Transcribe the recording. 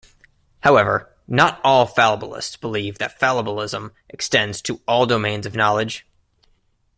However, not all fallibilists believe that fallibilism extends to all domains of knowledge.